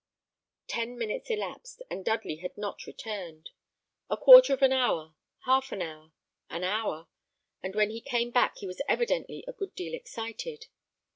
Ten minutes elapsed, and Dudley had not returned. A quarter of an hour, half an hour, an hour; and when he came back he was evidently a good deal excited.